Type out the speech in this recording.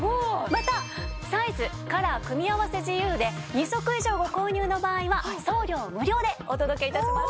またサイズカラー組み合わせ自由で２足以上ご購入の場合は送料無料でお届け致します。